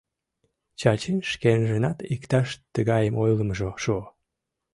Чачин шкенжынат иктаж тыгайым ойлымыжо шуо.